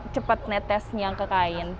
cepat netesnya ke kain